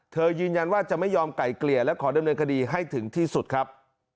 ยืนยันว่าจะไม่ยอมไก่เกลี่ยและขอดำเนินคดีให้ถึงที่สุดครับ